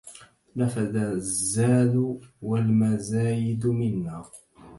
نفد الزاد والمزايد منا